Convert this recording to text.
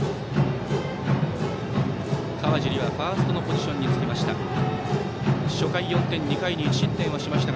川尻は、ファーストのポジションにつきました。